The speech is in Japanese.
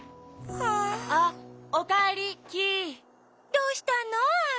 どうしたの？アオ。